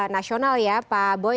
nasional ya pak boy